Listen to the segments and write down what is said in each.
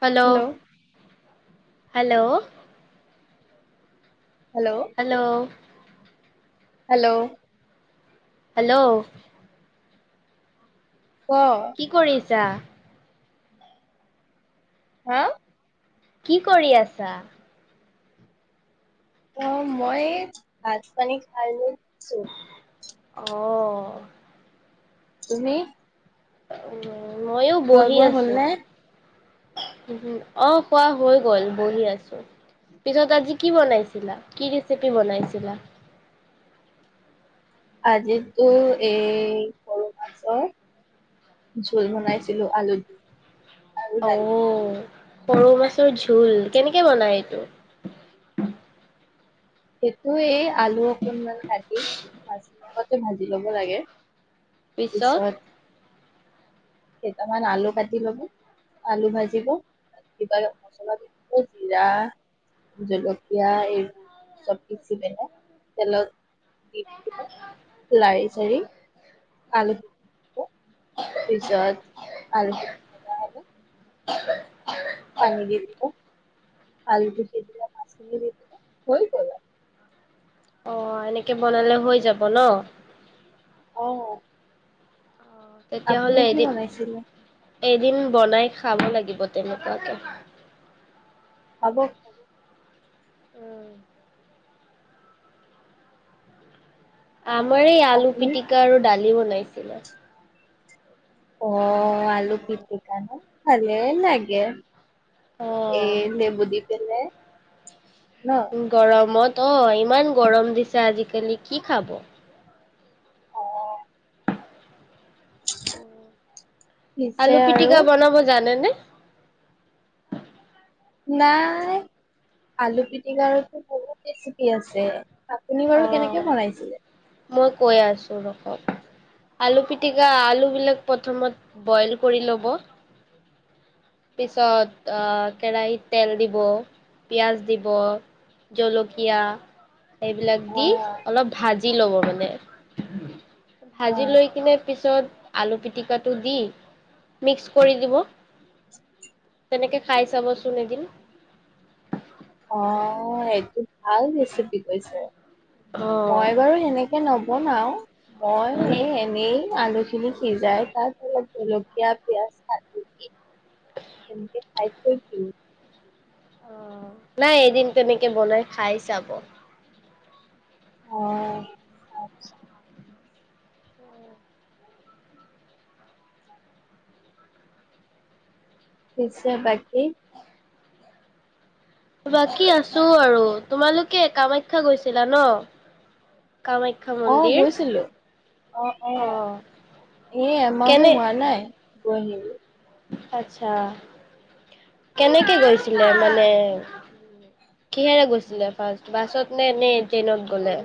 Hello hello hello hello? Hello? ক'। যা। হা? কি কৰি আছা? অ' মই ভাত-পানী খাই-লৈ উঠিছোঁ। অ'। তুমি? [unintelligible] মইয়ো খোৱা বহি বোৱা আছোঁ। হ'লনে অ' খোৱা হৈ গ'ল । বহি আছোঁ। পিছত আজি কি বনাইছিলা? কি ৰেচিপি বনাইছিলা? আজিতো এই সৰু মাছৰ জোল বনাইছিলোঁ আলু দি। আৰু অ'। দালি সৰু মাছৰ জোল, কেনেকে বনায় এইটো? সেইটোৱে আলু অকণমান কাটি মাছখিনি আগতে ভাজি ল'ব লাগে। পিছত? কেইটামান আলু কাটি লব, আলু ভাজিব । কিবা মছলা দিব পাৰে জিৰা, জলকীয়া এইবোৰ। চব সিজিকেনে তেলত [inaudible] লাৰি-চাৰি আলু [inaudible] পিছত আলুখিনি [inaudible] পানী দি দিব। আলু দি দিলে, মাছখিনি দি দিলে হৈ গ'ল আৰু। অ' এনেকে বনালে হৈ যাব ন'? অ'। আপুনি তেতিয়াহ'লে কি এদিন বনাইছিলে? এদিন বনাই খাব লাগিব তেনেকুৱাকে। হ'ব - হ'ব। উম আমাৰ এই আলু আপুনি পিটিকা আৰু দালি বনাইছিলে। অ' আলু পিটিকা ন'? ভালে লাগে। এ অ', [unintelligible] কেনে? গৰমত অ' ইমান গৰম দিছে আজিকালি । কি খাব? অ' পিছে আলু আৰু পিটিকা বনাব জানে নে? নাই আলু পিটিকাৰতো বহুত ৰেচিপি আছে আপুনি অ বাৰু কেনেকে বনাইছিলে? মই কৈ আছো ৰ আলু পিটিকা আলু বিলাক প্ৰথমত বইল কৰি ল'ব পিছত আহ কেৰাহীত তেল দিব পিয়াজ দিব জলকীয়া এইবিলাক দি অ' অলপ ভাজ দি লব মানে ভাজি অ' লৈ কিনে পিছত আলু পিটিকাটো দি মিক্স কৰি দিব তেনেকে খাই চাবচোন এদিন অ এইটো ভাল ৰেচিপি কৈছে অ'। মই বাৰু সেনেকে নব বনাও মই এ এনে এনেই আলু সিজাই তাত অলপ জলকীয়া পিয়াজ কাটি দি তেনেকে খাই থৈ দিওঁ অ নাই এদিন তেনেকে বনাই খাই চাব অ পিচে বাকী বাকী আছো আৰু তোমালোকে কামাখ্যা গৈছিলা ন কামাখ্যা অহ মন্দিৰ গৈছিলো অ অ এ এমাহো হোৱা নাই গৈ আহিলোঁ আচছা কেনেকে গৈছিলে মানে কিহেৰে গৈছিলেবাছত নে নে ট্ৰেইনত গলে?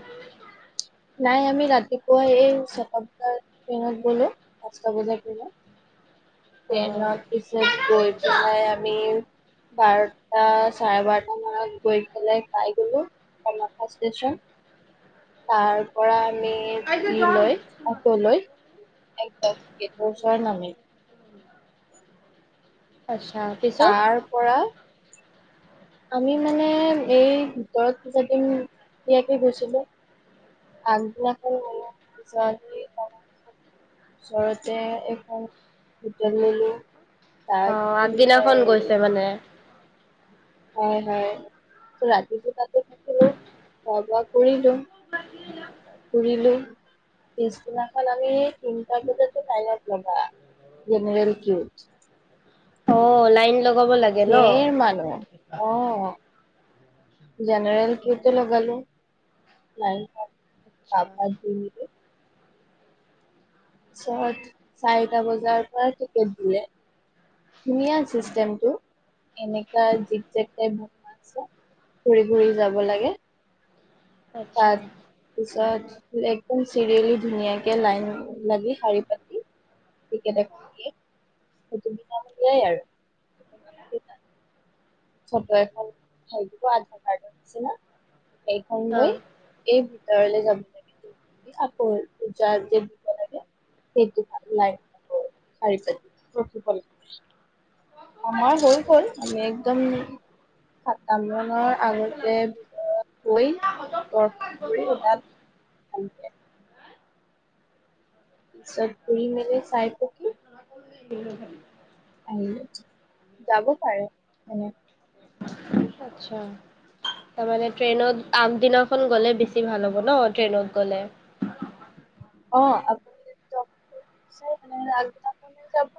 নাই আমি ৰাতিপুৱা এই ছটা বজাৰ ট্ৰেইনত গলো পাঁচটা বজাৰ ট্ৰেইনত অ' ট্ৰেইনৰ পিছত গৈ পেলাই আমি বাৰটা চাৰে বাৰটা মানত গৈ পেলাই পাই গলোা কামাখ্যা ষ্টেচন তাৰ পৰা আমি লৈ অটো লৈ একদম গেটৰ ওচৰত নামিলোঁ আচ্ছা পিছত তাৰ পৰা আমি মানে এই ভিতৰত পূজা দিম যেতিয়াকে গৈছিলো আগদিনাখন ললো পূজা তাৰপিছত ওচৰতে এখন হোটেল ললো অ তাত কি আগদিনাখন কয় গৈছে মানে? হয় হয় ৰাতিটো তাতে থাকিলোঁ খোৱা বোৱা কৰিলোঁ ফুৰিলোঁ পিছদিনাখন আমি তিনিটা বজাতো লাইনত লগা জেনেৰেল ফ অ লাইন লগ কব লাগে ন মানুহ অ জেনেৰেল কিউটোলে গলো লাইন পাতি আচ্ছা আভাত দিলে ওচৰত চাৰিটা বজাৰ পৰা টিকেট দিলে ধুনীয়া চিষ্টেমটো এনেকা জিক জপ মছে ঘূৰি ঘূৰি যাব লাগে আচ্ছা তাৰ পিছত একদম চিৰিয়েলি ধুনীয়াকে লাইন লাগি শাৰী পাতি ঠিকে দেখোন দে সেইটো বিলামূলীয়াই আৰু নালাগে তাত ফটো এখন উঠাই দিব আধাৰ কাৰ্ডৰ নিচিনা। এইখন লৈ অ' এই ৰ যাব লাগ আকৌ প যাত যে দিব লাগে সেইটো ভাল লাই আকৌ শাৰি পতি ৰখিব লাগ আমাৰ হৈ গ'ল আমি উম ব্ৰাহ্মণৰ আগতে ভিতৰত গৈ দৰ্শন কৰি ওলাল চব কৰি মেলি চাই পকি [unintelligible] আহি যাব পাৰে তেনে আচ্ছা তাৰমানে ট্ৰেইনত আগদিনাখন গ'লে বেছি ভাল হ'ব ন ট্ৰেইনত গ'লে অ আপুনি যনেহলে আগদিনা যাব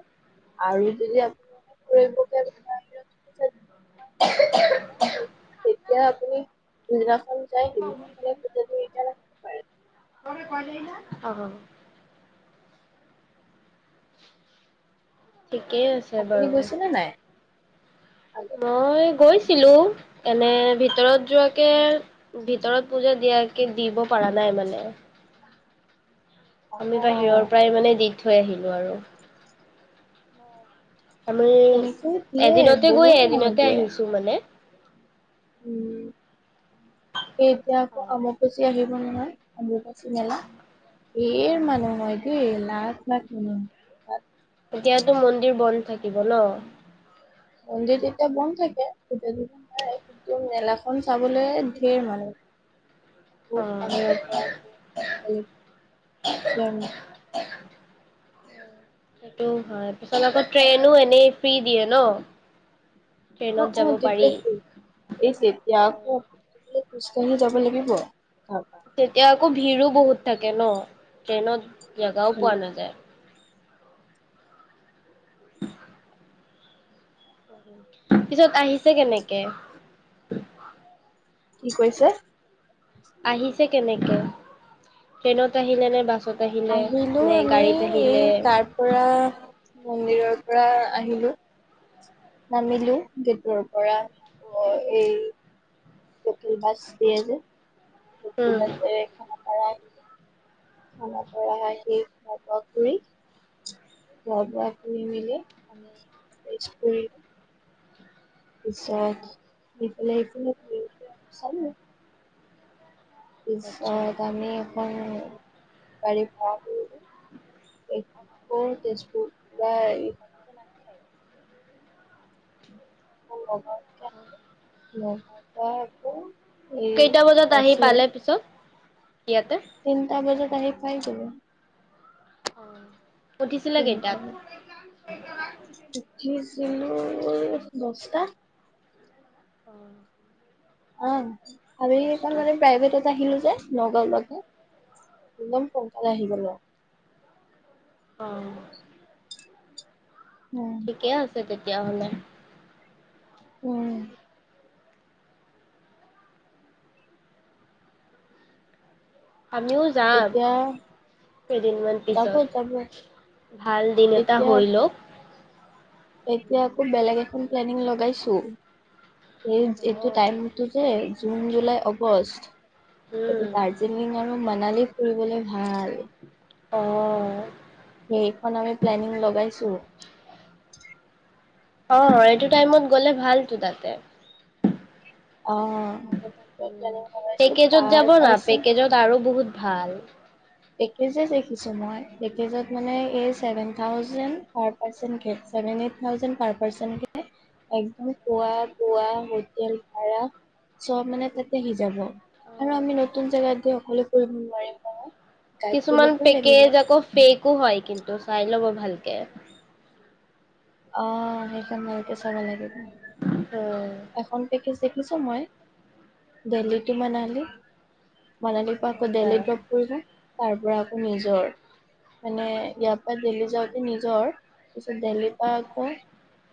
আৰু যদি আপোনে ফত তেতিয়া আপুনিদিনাখন য সেইদিনা পাৰে অ ঠিকেই আছে আপুনি বাৰু গৈছেনে নাই আগতে মই গৈছ ছিলো এনে ভিতৰত যোৱাকে ভিতৰত পূজা দিয়াকে দিব পৰা নাই মানে আমি বাহিৰৰ অ', পৰাই মানে দি থৈ আহিলোঁ আৰু হয় আমি এদিনতে গৈ বহুত মানুহ এদিনতে দিয়ে আহিছো মানে উম এ এতিয়া আকৌ আম গুচি আহিব বলে হয় অম্ৰকাচি মেলা ধেৰ মানুহ হয় এ লাজ লাগে এতিয়াতো মন্দিৰ বন্ধ থাকিব ন মন্দিৰ তেতিয়া বন্ধ থাকে, পূজা দিব নোৱাৰে কিন্তু মেলাখন চাবলৈ ঢেৰ মানুহ। ত বাহিৰৰ পৰা সেইটো হয় পিছত আকৌ ট্ৰেইনো এনেই ফ্ৰী দিয়ে ন। অ ট্ৰেইনত যাব অ তেতিয়া পাৰি। ফ্ৰি এ তেতিয়া আকৌ খোজ কঢ়িলে যাব লাগিব তেতিয়া আকৌ ভিৰো বহুত থাকে ন ট্ৰেইনত জেগাও পোৱা নাযায় পিছত আহিছে কেনেকে কি কৈছে আহিছে কেনেকে ট্ৰেইনত আহিলে নে বাছত আহিলে আহিলো নে আমি গাড়ীত এই আহিলে তাৰ পৰা মন্দিৰত পৰা আহিলো নামিলো গেটৰ পৰা এই লোকেল মাছ দিয়ে যে লোকেল উম মাছ কৰাই খানা পৰা হয় সেই খোৱা বোৱা কৰি খোৱা বোৱা কৰি মেলি আমি ফেষ্ট কৰিলো তাৰপিছত এইফালে এইফাল চ আচ্ছা পিছত আমি এখন গাড়ী ভাড়া কৰিলো এইখন আকৌ তেজপুৰ পৰা এইখন যে আহে নাই লগাতকে আহ লগাৰ আকৌ এই কেইটা বজাত আহি পাইছিলে পালে পিছত ইয়াতে তিনটা বজাত ত পাই‌ যাব অ উঠিছিলা তিনটা কেইটাত বজাত এই [inaudible] উঠিছিলো দছটা অ [inaudible] আহ আৰু সেইঅকণ মানে প্ৰাইভেটত আহিলো যে নগাঁৱ লৈকে একদম সোনকালে আহি গলোঁ আৰু অ উম ঠিকে আছে তেতিয়া তেতিয়াহ'লে উম আমিও যাম, এতিয়া কেইদিনমান যাব পিছত, যাব ভাল দিন এটা এতিয়া হৈ লওঁক এতিয়া আকৌ বেলেগ এখন প্লেনিং লগাইছোঁ এই এইটো টাইমতটো যে জুন জুলাই আগষ্ট অ সেতু উম দাৰ্জিলিং আৰু মানালীত ফুৰিবলে ভাল অ উম মানে আমি প্লেনিং লগাইছোঁ ঠিকে আছে। অ এইটো টাইমত গ'লে ভালতো তাতে। অ পেকেজত যাব না পাৰ্চন পেকেজত আৰু বহুত [inaudible] ভাল পেকেজে চাই ফুৰিছোঁ মই পেকেজত মানে এই ছেভেন থাউজেণ্ড পাৰ পাৰ্চেন্ট উঠে seven, eight thousand per percent মানে অন্য খোৱা বোৱা হোটেল ভাড়া সব মানে তাতে আহি যাব অ আৰু আমি নতুন জেগাত গৈ অকলে অকলে নোৱাৰিম নহয় । [inaudible] কিছুমান পেকেজ আকৌ ফেকো হয় কিন্তু । চাই ল'ব ভাল ভালকে । অ', সেইখন ভালকে চাব লাগিব । অ' দেখিছোঁ মই। দেলহি তু মনালি । মনালীৰ পৰা আকৌ আচ্ছা দেলহিত জপ কৰিছোঁ। তাৰ পৰা আকৌ নিজৰ। মানে ইয়াৰ পৰা দিল্লী যাওঁতে নিজৰ । পিছত দিল্লীৰ পৰা আকৌ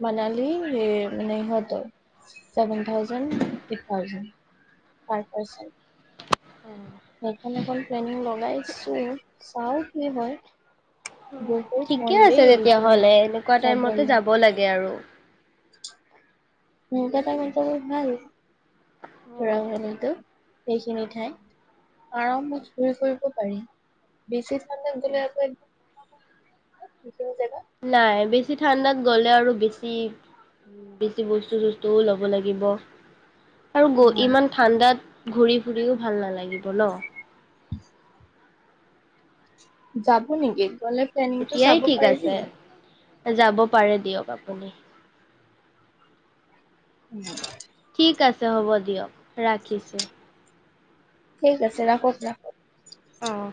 মনালী সেই মানে সিহঁতৰ। Seven thousand eight thousand, per percent. এখন - এখন প্লেনিং লগাইছোঁ। চাওঁ কি হয়। বহুত ঠিকে মন আছে দেই সেইখিনি তেতিয়াহলে । এনেকুৱা টাইমতে যাবলে যাব লাগে আৰু। এনেকুৱা টাইমত যাব ভাল । ৰ এনেইতো। এইখিনি ঠাইত । আৰামত ঘূৰি ফুৰিব পাৰি। বেছি ঠাণ্ডাত গলে আকৌ একদম [inaudible] নোৱাৰিম সেইখিনি জাগাত নাই । বেছি ঠাণ্ডাত গ'লে আৰু বেছি- বেছি বস্তু-চস্তুও ল'ব লাগিব। আৰু গ- ইমান ঠাণ্ডাত ঘূৰি-ফুৰিও ভাল নালাগিব ন'? টম। [inaudible] যাব নেকি? গ'লে প্লেনিংটো এতিয়াই চাব ঠিক পাৰিবি? আছে যাব পাৰে দিয়ক আপুনি। উম ঠিক আছে । হ'ব দিয়ক, ৰাখিছোঁ। ঠিক আছে, ৰাখক - ৰাখক। অ'।